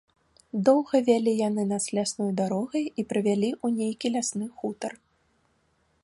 Доўга вялі яны нас лясной дарогай і прывялі ў нейкі лясны хутар.